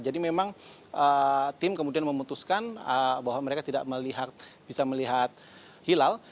jadi memang tim kemudian memutuskan bahwa mereka tidak bisa melihat hilal